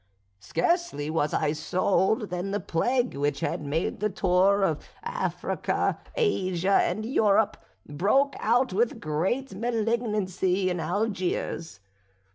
Scarcely was I sold, than the plague which had made the tour of Africa, Asia, and Europe, broke out with great malignancy in Algiers.